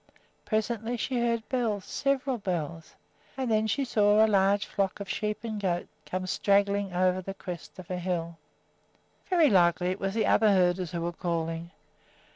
Presently she heard bells, several bells, and then she saw a large flock of sheep and goats come straggling over the crest of a hill. Very likely it was the other herders who were calling.